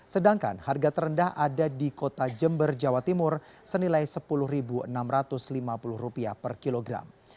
sedangkan harga terendah ada di kota jember jawa timur senilai rp sepuluh enam ratus lima puluh per kilogram